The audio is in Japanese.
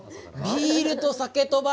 ビールと、さけとば！